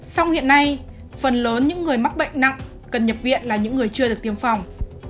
song hiện nay phần lớn những người mắc bệnh nặng cần nhập viện là những người chưa được tiêm phòng